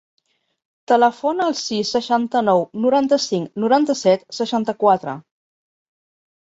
Telefona al sis, seixanta-nou, noranta-cinc, noranta-set, seixanta-quatre.